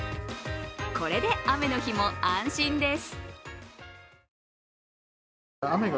これで雨の日も安心です。